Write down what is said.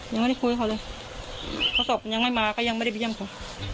ยังไม่ได้คุยกับเขาเลยเขาสบยังไม่มาก็ยังไม่ได้เบี้ยงเขา